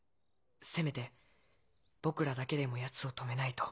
せめて僕らだけでも奴を止めないと。